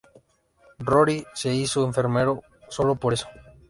Rory se hizo enfermero sólo por eso.